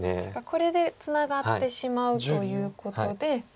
これでツナがってしまうということで。